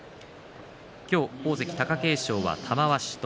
今日、大関貴景勝は玉鷲と。